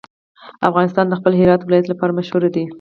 افغانستان د خپل هرات ولایت لپاره مشهور دی.